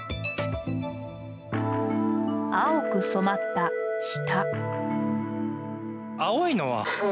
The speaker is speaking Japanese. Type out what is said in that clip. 青く染まった舌。